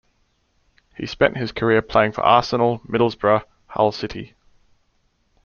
He spent his career playing for Arsenal, Middlesbrough, Hull City.